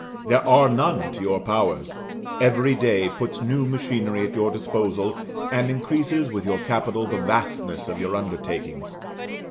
There are none to your powers; every day puts new machinery at your disposal, and increases, with your capital, the vastness of your undertakings.